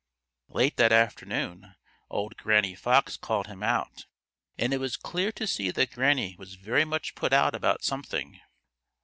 Late that afternoon old Granny Fox called him out, and it was clear to see that Granny was very much put out about something.